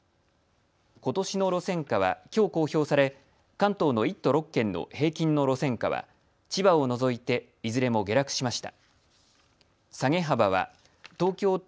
ことしの路線価はきょう公表され関東の１都６県の平均の路線価は千葉を除いていずれも下落しました。